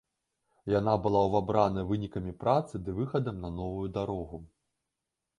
Яна была ўвабрана вынікамі працы ды выхадам на новую дарогу.